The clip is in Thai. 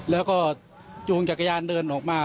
แล้วก็จูงจักรยานเดินออกมา